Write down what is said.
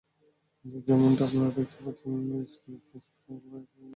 যেমনটা আপনারা দেখতে পাচ্ছেন, এই স্ক্রুর প্যাচ প্রায় একেবারে ক্ষয় হয়ে গেছে।